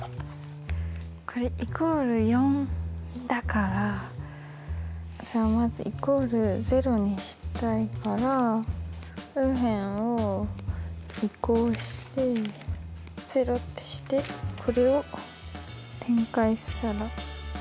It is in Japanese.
これイコール４だからじゃあまずイコール０にしたいから右辺を移項して０ってしてこれを展開したら。